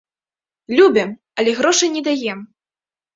Любім, але грошай не даем.